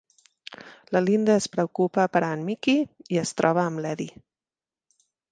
La Linda es preocupa per a en Mickey i es troba amb l'Eddie.